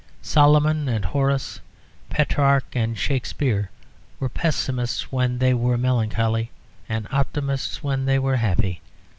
Solomon and Horace, Petrarch and Shakespeare were pessimists when they were melancholy, and optimists when they were happy.